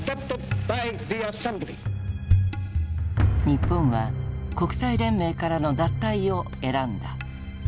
日本は国際連盟からの脱退を選んだ。